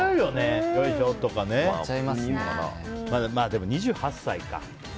でも２８歳か。